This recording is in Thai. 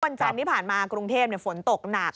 วันจันทร์ที่ผ่านมากรุงเทพฝนตกหนัก